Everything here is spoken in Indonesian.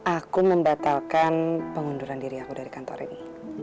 aku membatalkan pengunduran diri aku dari kantor ini